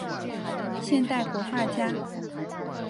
现代国画家。